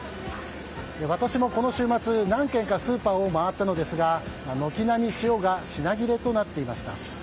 私もこの週末何軒かスーパーを回ったのですが軒並み塩が品切れとなっていました。